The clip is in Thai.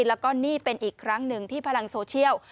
แล้วก็นี่เป็นอีกครั้งหนึ่งที่พลังโซเชียล